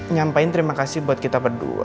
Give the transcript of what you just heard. nyampain terima kasih buat kita berdua